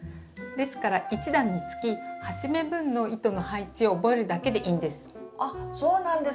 ですから１段につき８目分の糸の配置を覚えるだけでいいんです。